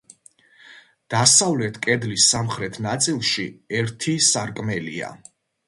დასავლეთ კედლის სამხრეთ ნაწილში ერთი სარკმელია.